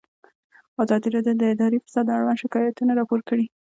ازادي راډیو د اداري فساد اړوند شکایتونه راپور کړي.